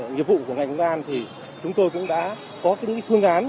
nghiệp vụ của ngành gian thì chúng tôi cũng đã có những phương án